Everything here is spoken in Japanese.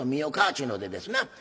ちゅうのでですな